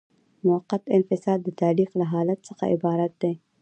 موقت انفصال د تعلیق له حالت څخه عبارت دی.